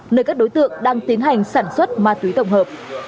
nơi các đối tượng đang tiến hành sản xuất ma túy tổng hợp